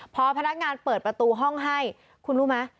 พอพนักงานเปิดประตูห้องให้คุณรู้ไหม